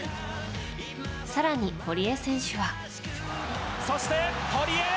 更に、堀江選手は。